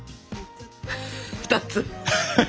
２つ？